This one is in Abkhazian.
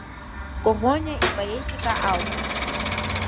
Коӷониа ипоетика ауп.